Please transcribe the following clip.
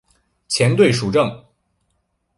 前队属正。